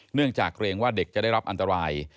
เนื่องจากเกรงว่าเด็กจะได้รับอันตราย